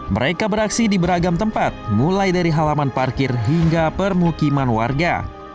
mereka beraksi di beragam tempat mulai dari halaman parkir hingga permukiman warga